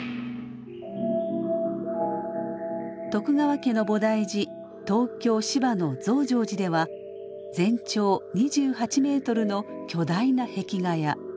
徳川家の菩提寺東京・芝の増上寺では全長２８メートルの巨大な壁画や。